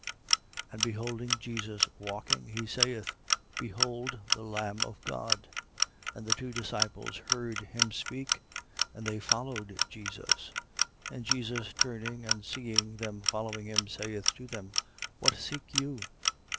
1:36. And beholding Jesus walking, he saith: Behold the Lamb of God. 1:37. And the two disciples heard him speak: and they followed Jesus. 1:38. And Jesus turning and seeing them following him, saith to them: What seek you?